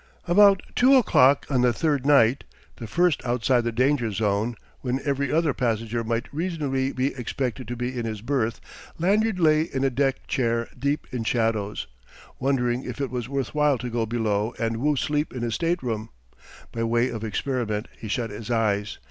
About two o'clock on the third night (the first outside the danger zone, when every other passenger might reasonably be expected to be in his berth) Lanyard lay in a deck chair deep in shadows, wondering if it was worthwhile to go below and woo sleep in his stateroom. By way of experiment he shut his eyes.